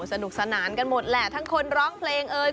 สนุกสนานกันหมดแหละทั้งคนร้องเพลงเอ่ย